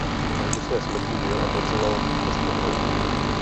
Až do své smrti žil a pracoval ve Stockholmu.